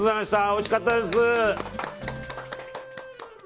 おいしかったです！